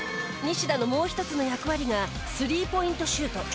西田のもう一つの役割が３ポイントシュート。